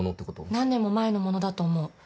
何年も前のものだと思う。